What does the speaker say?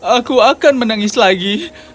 aku akan menangis lagi